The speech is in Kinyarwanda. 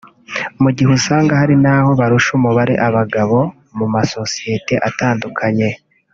mu gihe usanga hari n’aho barusha umubare abagabo mu masosiyete atandukanye